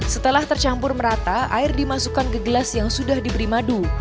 setelah tercampur merata air dimasukkan ke gelas yang sudah diberi madu